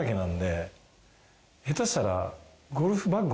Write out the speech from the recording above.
下手したら。